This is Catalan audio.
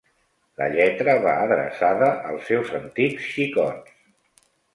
La lletra va adreçada als seus antics xicots.